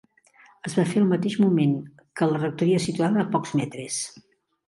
Es va fer al mateix moment que la rectoria situada a pocs metres.